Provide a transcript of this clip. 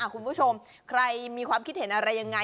คุณผู้ชมใครมีความคิดเห็นอะไรยังไง